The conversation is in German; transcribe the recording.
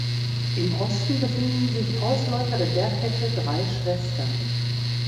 Im Osten befinden sich Ausläufer der Bergkette Drei Schwestern.